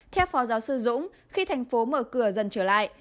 theo phó giáo sư dũng khi thành phố mở cửa dần trở lại